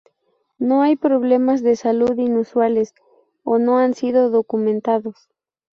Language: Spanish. No hay problemas de salud inusuales o no han sido documentados.